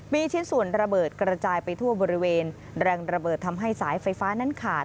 มีชิ้นส่วนระเบิดกระจายไปทั่วบริเวณแรงระเบิดทำให้สายไฟฟ้านั้นขาด